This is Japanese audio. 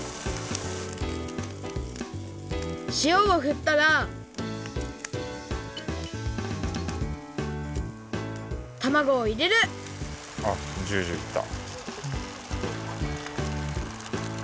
しおをふったらたまごをいれるあっジュジュいった。